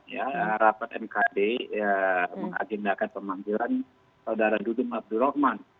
ya rapat mkd mengagendakan pemanggilan saudara dudung abdul rahman